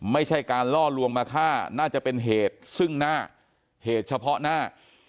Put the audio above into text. ไม่ใช่การล่อลวงมาฆ่าน่าจะเป็นเหตุซึ่งหน้าเหตุเฉพาะหน้า